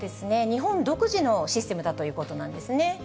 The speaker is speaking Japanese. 日本独自のシステムだということなんですね。